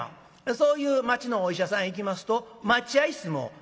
そういう町のお医者さん行きますと待合室もまあ狭うございます。